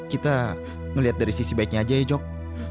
kita melihat dari sisi baiknya aja ya jok